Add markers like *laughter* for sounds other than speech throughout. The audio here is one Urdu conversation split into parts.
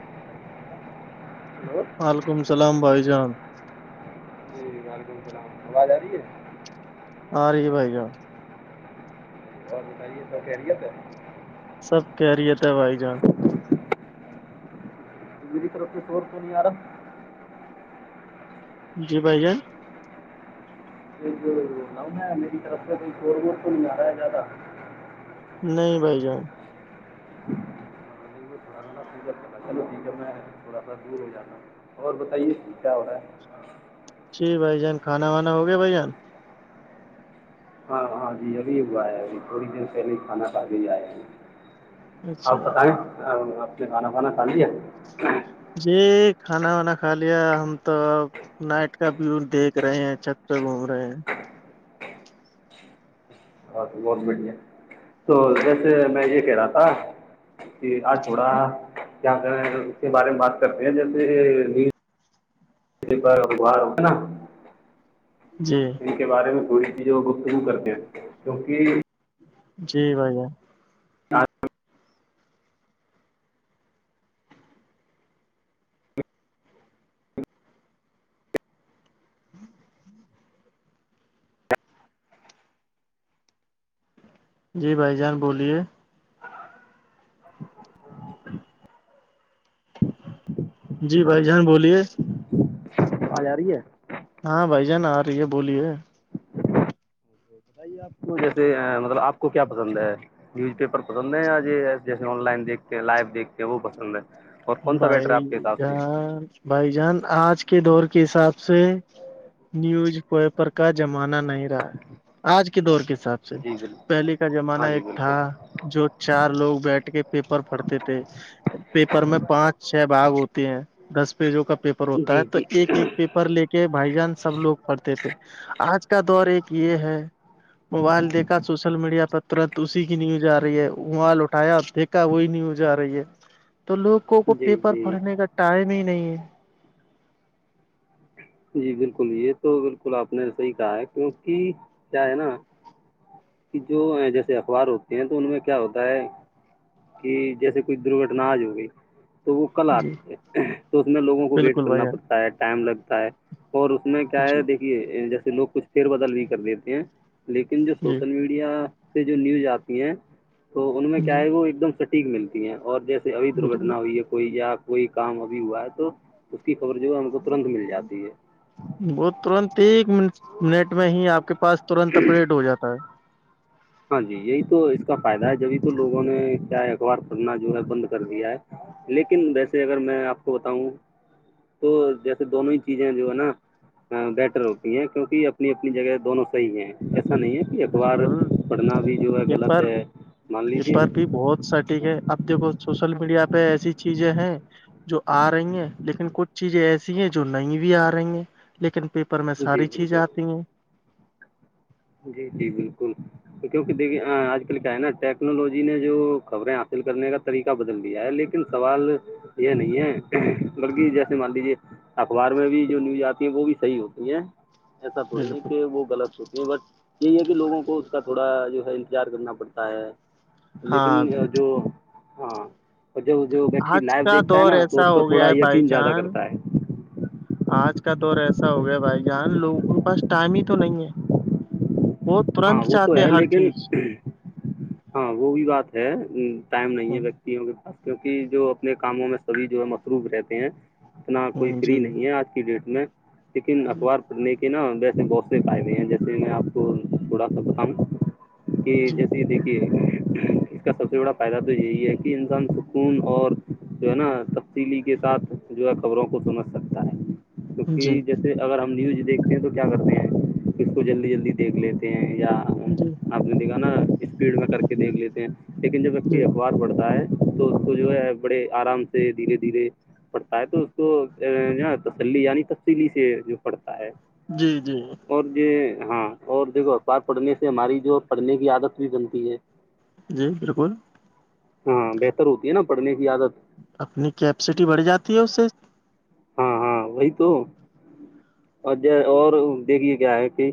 *inaudible* ہلو وعلیکم سلام بھائی جان جی وعلیکم السلام آواز آ رہی ہے ہاں ری بائی جا ن اور بتائیے توکیریت ہے سب کریت ہیے بھائی جان میری طروپ سور تو نہیں آ را جی بھای جن ایک جو نو ہے میری طرف سے کو شور وور تو نہیں آ رہا ہے زیادہ نہیں بھائی جان نہیں، وہ تھوڑا سا نا چلو ٹھیک ہے میں تھوڑا سا دور ہو جانا اور بتائیے کیا ہو رہا ہے جی بھائی جان کھانا وانا ہو گیا بھائی جان ہاں ہاں جی یہبھی ہوا ہے ابھی تھوڑی دیر پہلے ہی کھانا کھاے ہی آئے ہیں آپ اچھا بتائیں اپ نے کھانا پانا کھان لیا جی کھانا وانا کھا لیا ہم تو نائٹ کا ویو دیکھ رہے ہیں چھک پ گھوم رہے ہیں ہاں تو جیسے میں یہ کہہ رہا تھا کہ آج تھوڑا کیا کر اس کے بارے میں بات کرتے ہیں جیسے نی پلی بارواہار ہوک نا *unintelligible* جی ان کے بارے میں تھوڑی چیز ہے وہ گفتگو کرتے ہیں کیونکہ جی بھیای جن ہاں جی بھائی جان بولیے *inaudible* جی بھائی جان بولیے آ ج آ رہی ہے ہاں بھائی جان آ رہی ہے بولیے بتائیے آپ کو جیسے مطلب آپ کو کیا پسند ہے نیوز پیپر پسند ہے یا جیسے آن لائن دیکھتے لائو دیکھتے وہ پسند ہے اور کون سا بیٹر ہے بھائی آپ کے حساب سے جان بھائی جان آج کے دور کے حساب سے نیوز پیپر کا زمانہ نہیں رہا ہے آج کے دور کے حساب سے جی بالکل پہلے کا زمانہ ہاں جی ایک تھا بالکل جو چار لوگ بیٹھ کے پیپر پڑتے تھے پیپر میں پانچ چھ باگ ہوتے ہیں دس پیجوں کا پیپر ہوتا جی ہے تو جی ایک پیپر لے کے بھائی جان سب لوگ پڑھتے تھے آج کا دور ایک یہ ہے موبائل دیکھا سوشل میڈیا پر ترت اسی کی نی ج آ رہی ہے اوال اٹھایا دیکھا وہی نہیں ج آ رہی ہے تو لوگ سکوں کو جی پیپر جی پڑھنے کا ٹائم ہی نہیں ہے جی بالکل یہ تو بالکل آپ نے صحی کہا ہے کیونک کیا ہے نا کہ جو جیسے اخبار ہوتے ہیں تو ان میں کیا ہوتا ہے کہ جیسے کوئی درگٹنا آج ہو گئی تو وہ کل جی آتی ہے تو اس میں لوگوں کو ویٹ بالکل بھائی کرنا جان پڑتا ہے ٹائم لگتا ہے اور اس میں کیا ہے جی دیکھیے جیسے لوگ کچھ فیر بدل بھی کر دیتے ہیں لیکن جو جی سوشل میڈیا سے جو نیوز آتی ہیں تو ان میں کیا جی ہے وہ ایک دم سٹیک ملتی ہیں اور جیسے ابھی بالکل درگٹنا ہوئی ہے کوئی یا کوئی کام ابھی ہوا ہے تو اس کی خبر جو ہے ہم کو ترنت مل جاتی ہے وہ ترنت ایکن منٹ میں ہی آپ کے پاس ترنت اپڈٹ ہو جاتا ہے ہاں جی یہی تو اس کا فائدہ ہے جبھی تو لوگوں نے کیا اخبار پڑھنا جو ہے بند کر دیا ہے لیکن ویسے اگر میں آپ کو بتاؤں تو جیسے دونوں ہی چیزیں جو ہے نا بیٹر ہوتی ہیں کیونکہ اپنی اپنی جگہ دونوں صحیح ہیں ایسا نہیں ہے کہ اخبار بالکل پڑھنا بھی جو ہے غلط پیپر ہے مان لیجیے پیپر بہت سٹھیک ہے اب دیکھو سوشل میڈیا پہ ایسی چیزیں ہیں جو آ رہی ہیں لیکن کچھ چیزیں ایسی ہیں جو نہیں بھی آ رہی ہیں لیکن پیپر میں جی ساری چیزیں بالکل آتی ہیں جی جی بالکل کیونکہ د آج کل کیا ہے نا ٹیکنالوجی نے جو خبریں حاصل کرنے کا طریقہ بدل دیا ہے لیکن سوال یہ نہیں ہے بلکہ جیسے مان لیجیے اخبار میں بھی جو نیوز آتی ہے وہ بھی صحیح ہوتی ہیں ایسا تھوڑی ہے بالکل کہ وہ غلط ہوتی ہیں بٹ یہی ہے کہ لوگوں کو اس کا تھوڑا جو ہے انتظار کرنا پڑتا ہے ہاں لیکن جو ہاں اور جب جو ویکتی آج لائو کا دیکھتا ہے دور نا تو اس ایسا کا ہو گیا تھوڑا ہے بھائی یقین زیادہ جان کرتا ہے آج کا دور ایسا ہو گیا بھائی جان لوگوں کے پاس ٹائم ہی تو نہیں ہے *inaudible* ہاں وہ تو چاہتے ہیں ہے ہر لیکن چیز ہاں وہ بھی بات ہے ٹائم نہیں ہ ہے کے پاس کیوںکہ جو اپنے کاموں میں سبھی جو ہے مصروف رہتے ہیں اتنا کوئی ہ فری جی نہیں ہے آج کی ڈیٹ میں لیکن جی اخبار نے کے نا ویسے بہت سے فائدے ہیں جیسے میں آپ کو تھوڑا سا بتاؤں کہ جی جیسے دیکھیے اس کا سب سے بڑا فائدہ تو یہی ہے کہ انسان سکون اور جو ہے نا تبدیلی کے ساتھ جو ہے خبروں کو سمجھ سکتا ہے جی توکہ جیسے اگر ہم نیوز دیکھتے ہیں تو کیا کرتے ہیں اس کو جلدی جلدی دیکھ لتے جی آپ نے دیکھا نا اسپیڈ میں کر کے دیکھ لیتے ہیں لیکن جب جی وتی اخبار پڑھتا ہے تو اس کو جو ہے بڑے آرام سے دھیرے دھیرے پڑتا ہے تو اس کو نا تسلی یعنی تفصیلی سے جو پڑتا ہے جی جی اور جو ہاں اور دیکھو اخبار پڑھنے سے ہماری جو پڑھنے کی عادت بھی بنتی ہے جی بالکل ہاں بہتر ہوتی ہے نا پڑھنے کی عادت اپنی کیپسٹی بڑھ جاتی ہے اس سے ہاں ہاں وہی تو اور اور دیکھیے کیا ہے کہ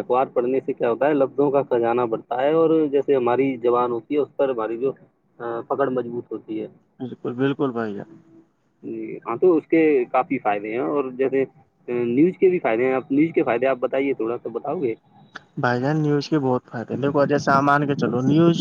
اخبار پڑھنے سے کیا ہوتا ہے لفظوں کا خزانہ بڑھتا ہے اور جیسے ہماری زبان ہو اس پر باری جو پکڑ مضبوط ہوتی ہے بالکل بالکل بھائی جان جی ہاں تو اس کے کافی فائدے ہیں اور جیسے آ، نیوز کے بھی فائدے ہیں آپ نیوز کے فائدے آپ بتائیے تھوڑا سا بتاؤ گے بھائی جان نیوز کے بہت فائدے دیکو جیسا سامان کے چلو نیوز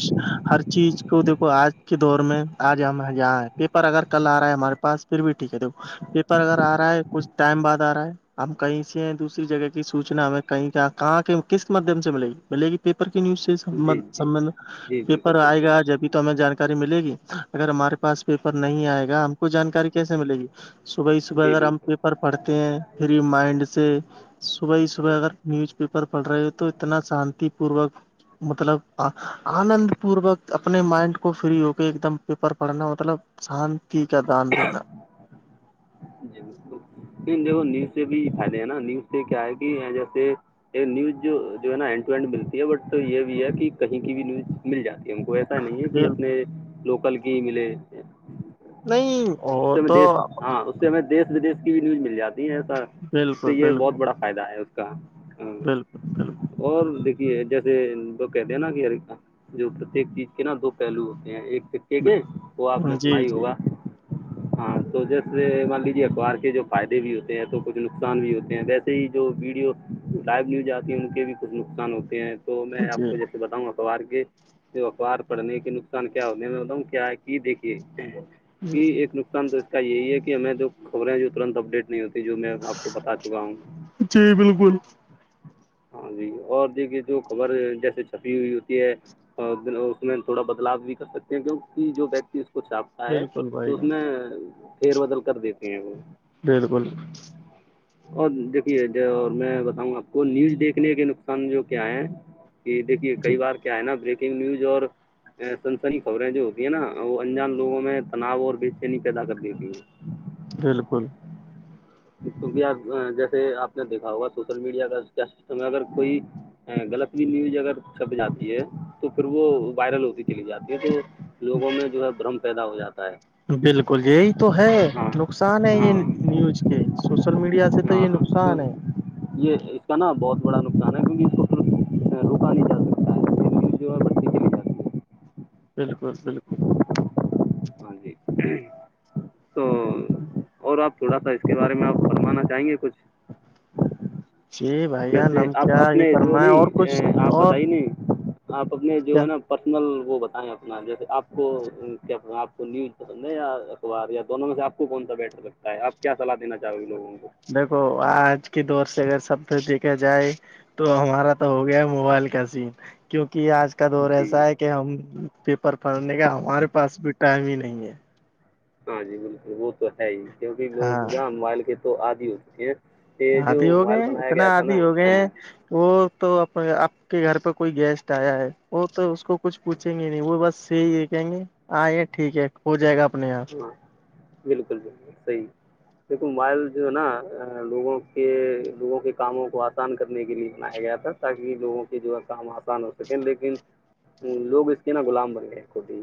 ہر چیز کو دھو آج کے دور میں آج ہم یہاں پیپر اگر کل آ رہا ہے ہمارے پاس پھر بھی ٹھیک ہے دیکھو پیپر اگر آ رہا ہے کچھ ٹائم بعد آ رہا ہے ہم کہیں سے دوسری جگہ کی سوچنا ہمیں کہیں کہاں کس مادھیم سے ملے گی ملے گی پیپر کی نیوز سےب جی جی سبندھ جی پیپر بالکل آئے بالکل گا جبھی ہمیں جانکاری ملے گی اگر ہمارے پاس پیپر نہیں آئے گا ہم کو جانکاری کیسے ملے گی صبح ہی صبح جی اگر ہم بالکل پیپر پڑھتے ہیں فری مائنڈ سے صبح ہی صبح اگر نیوز پیپر پڑ رہے ہو تو اتنا شانتی پوروک مطلب آنند پوروک اپنے مائنڈ کو فری ہو کے ایک دم پیپر پڑھنا مطلب شانتی کا دان دینا جی بک دیک نیوز سے بھی فھیلے ہیں نا نیو سے کیا ہے کہ جیسے یہ نیوز جو جو ہے نا ہینڈ ٹو ہینڈ ملتی ہے بٹ یہ بھی ہے کہ کہیں کی بھی نیوز مل جاتی ہے ہم کو ایک ایسا نہیں ہے کہ اپنے بالکل لوکل کی ملے نہیں اس وہ سے تو دی ہاں اس سے ہمیں دیش ودی کی بھی نیوز مل جاتی ہے ایسا اس سے بالکل یہ بہت بڑا فائدہ ہے اس کا ہاں، بالکل بالکل اور دیکھیے جیسے لگ کہتے ہیں نا کہ ہر کا جو پرتیک چیز کے نا دو پہلو ہوتے ہیں ایک سے کے وہ آپ نے سنا ہی ہوگا ہاں ہاں تو جیسے مان لیجے اخبار کے جو فائدے بھی ہوتے ہیں تو کچھ نقصان بھی ہوتے ہیں ویسے جو ویڈیو لائو نیو ج آتی ہے ان کے بھی کچھ نقصان ہوتے ہیں تو میں آپ جی کو جیسے بتاؤں گا اخبار کے اخبار پڑھنے کے نقصان کیا ہوتے ہیں میں بتاؤں کیا ہے کی دیکھیے کہ ایک نقصان تو کا یہی ہے کہ ہمیں جو خبریں ہیں جو ترنت اپڈیٹ نہیں ہوتی جو میں آپ کو بتا چکا ہوں جی بالکل ہاں جی اور دیکھیے جو خبر جیسے چھپی ہوئی ہوتی ہے اس میں تھوڑا بدلاؤ بھی کر سکتے ہیں کیوںک کہ جو وتی کچھ آپتا ہے بالکل تو بھائی اس جان میں پیر بدل کر دیتے ہیں وہ بالکل اور دیکھیے میں بتاؤں گا آپ کو نیوز دیکھنے کے نقصان جو کیا ہے کہ دیکھیے جی کئی بار کیا ہے نا بریکنگ نیوز اور سنسنی خبریں جو ہوتی ہیں نا وہ انجان لوگوں میں تناؤ اور بے چینی پیدا کرتی ہوتی ہیں بالکل کیکہ جیسے آپ نے دیکھا ہوگا سوشل میڈیا کا کیا سسٹم ہے اگر کوئی غلط بھی نیوز اگر چھپ جاتی ہے تو پھر وہ وائرل ہوتی چلی جاتی ہے تو لوگوں میں جو ہے برم پیدا ہو جاتا ہے بالکل یہی تو ہے ہاں نقصان ہے یہ ہاں نیوز کے سوشل میڈیا سے تو ہاں یہ کیوں نقصان ہے یہ اس کا نا بہت بڑا نقصان ہے کیونکہ اس کو صرف رکا نہیں جا سکتا ہے *unintelligible* جاتی ہے بالکل بالکل ہاں جی تو *unintelligible* اور آپ تھوڑا سا اس کے بارے میں آپ فرمانا چاہیں گے کچھ جی بھائی جان ویسے ہم آپ کیا یہ اپنے جو فرمائیں اور کچھ نہیں آپ اور بتائی نہیں آپ اپنے جو کیا ہے نا پرسنل وہ بتائیں آپ ہ جیسے آپ کو کیا پند آپ کو نیوز پند ہے یا اخبار یا دونوں میں سے آپ کو کون سا بیٹر بی اپ کیا سلاح دینا چاہوے لوگوں کو دیکھو آج کے دور سے اگر سبد دیکھا جائے تو ہمارا تو ہو گیا موبائل کا سین کیونکہ آج ق د کو اور جی ایسا ہے کہ ہم پیپر پڑنے کا ہمارے پاس بھی ٹائم ہی نہیں ہے ہاں جی بالکل وہ تو ہے ہی کیونکہ لوگ ہاں ن موبائل کے تو آد ہی ہو چکے ہیں یہ جو آادی ہو موبائل گئے بنایا اتنا گیا تھا نا آادی ہو گئے ہیں ہاں وہ تو آپ کے گھر پہ کوئی گیسٹ آیا ہے وہ تو اس کو کچھ پوچیں گے نہیں وہ بس صحی ہے کہیں گے آ ٹھیک ہے ہو جائے گا اپنے یہاں بالکل بالکل صحیح *unintelligible* دیکھو موبائل جو ہے نا لوگوں کے لوگوں کے کاموں کو آسان کرنے کے لیے بنایا گیا تھا تاکہ لوگوں کے جو ہے کام آسان ہو سکے لیکن لوگ اس کے نہا غلام بن گئے کھٹی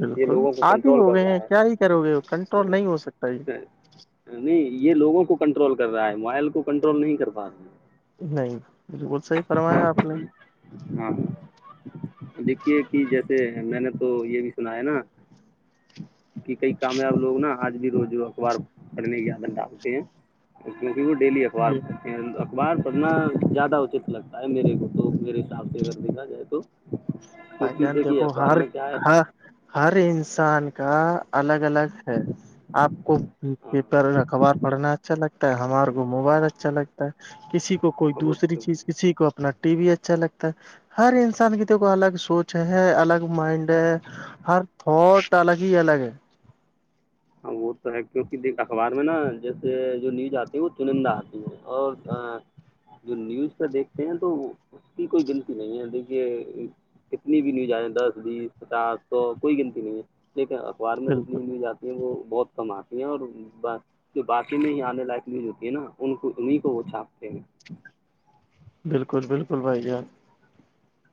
بالکل آدھی ہو گئے ہیں کیا ہی کرو گے کنٹرول نہیں ہو سکتا یہ ہے نہیں یہ لوگوں کو کنٹرول کر رہا ہے موائل کو کنٹرول نہیں کر پا رہا ہے۔ نہیں بالکل صحیح فرمایا آپ ہاں نے جی ہاں *unintelligible* دیکھیے کہ جیسے میں نے تو یہ بھی سنا ہے نا کہ کئی کامیاب لوگ نا آج بھی روز اخبار پڑھنے کی آدن ڈالتے ہیں ڈیلی اخبار جی پڑھتے اخبار پڑھنا زیادہ ہوتا لگتا ہے میرے کو تو میرے *unintelligible* حساب سے اگر دیکھا جائے تو کی بھائی چیز جان دیکھیے دیکھو اخبار ہر میں کیا ہے ہر ہر انسان کا الگ الگ ہے آپ کو ہاں پیپر میں اخبار پڑھنا اچھا لگتا ہے ہمارے کو موبائل اچھا لگتا ہے کسی کو کوئی وہ دوسری تو چیز ہے کسی کو اپنا ٹی وی اچھا لگتا ہر انسان کی د کو الگ سوچ ہے الگ مائنڈ ہے *unintelligible* ہر تھوٹ الگ ہی الگ ہے *unintelligible* ہاں وہ تو ہے کیونکہ دیک اخبار میں نا جیسے جو نیوز آتی ہے وہ چنندہ آتی ہے اور جو نیوز پہ دیکھتے ہیں تو اس کی کوئی گنتی نہیں ہے دیکھیے کتنی بھی نیوز آئے دس بیس پچاس سو کوئی گنتی نہیں ہے لیکن اخبار میں جتنی بالکل بھی نیوز آتی یہ وہ بہت کم آتی ہیں اور ب جو باقی میں ہی آنے لائق بھی جو ہوتی ہے نا ان کو انہیں کو وہ چھاپتے ہیں بالکل بالکل بھائی جان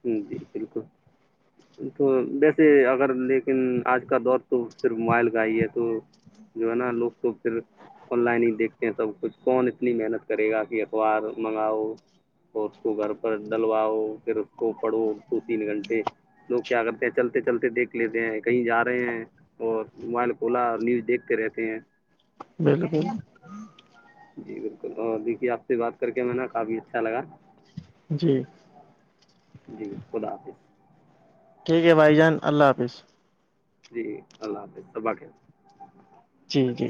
جی بالکل تو ویسے اگر لیکن آج کا دور تو صرف موبائل کا ہی ہے تو جو ہے نا لوگ تو پھر آن لائن ہی دیکھتے ہیں سب کچھ کون اتنی محنت کرے گا کہ اخبار منگاؤ اور اس کو گھر پر ڈلواؤ پھر اس کو پڑھو دو تین گھنٹے لوگ کیا کرتے ہیں چلتے چلتے دیکھ لیتے ہیں کہیں جا رہے ہیں اور موبائل کھولا اور نیوز دیکھتے رہتے ہیں بالکل *inaudible* جی بالکل اور دی آپ سے بات کر کے میں نا کافی اچھا لگا جی جی خدا حافظ ٹھیک ہے بھائی جان اللہ حافظ جی اللہ حافظ صبح کے جی جی